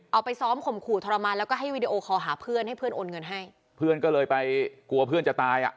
เอาไปซ้อมข่มขู่ทรมานแล้วก็ให้วีดีโอคอลหาเพื่อนให้เพื่อนโอนเงินให้เพื่อนก็เลยไปกลัวเพื่อนจะตายอ่ะ